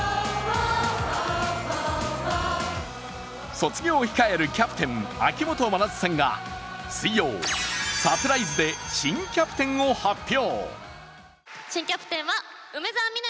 卒業を控えるキャプテン秋元真夏さんが水曜、サプライズで新キャプテンを発表。